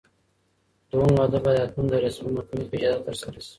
دویم واده باید حتماً د رسمي محکمې په اجازه ترسره شي.